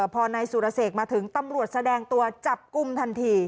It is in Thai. พอนายสุรเสกมาถึงตำรวจแสดงตัวจับกลุ่มทันที